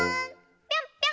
ぴょんぴょん。